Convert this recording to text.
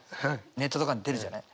ネットとかに出るじゃない。